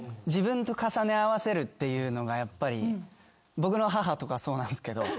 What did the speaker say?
僕の母とかそうなんですけど。